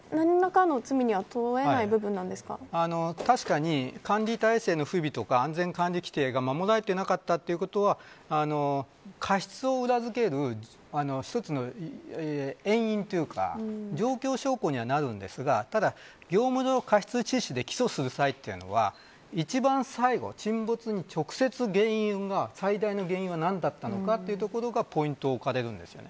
ここは、何らかの罪には確かに管理体制の不備とか安全管理規程が守られていなかったということは過失を裏付ける遠因というか状況証拠にはなるんですがただ、業務上過失致死で起訴をする際は一番最後、沈没に直接、最大の原因は何だったのかというところがポイントに置かれるんです。